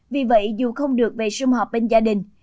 vì vậy dù không được về xung họp bên gia đình